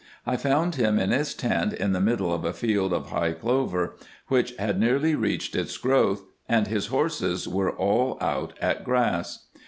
I found him in his tent in the middle of a field of high clover, which had nearly reached its growth, and his horses were all out at grass.